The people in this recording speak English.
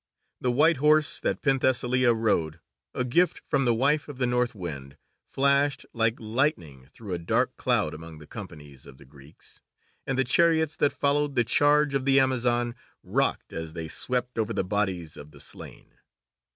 The white horse that Penthesilea rode, a gift from the wife of the North Wind, flashed like lightning through a dark cloud among the companies of the Greeks, and the chariots that followed the charge of the Amazon rocked as they swept over the bodies of the slain.